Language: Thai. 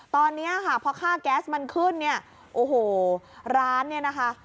ตอนนี้ค่ะพอค่าแก๊สมันขึ้นเนี่ยโอ้โหร้านเนี่ยนะคะ